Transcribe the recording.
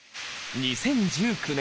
２０１９年